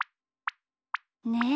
ねえ。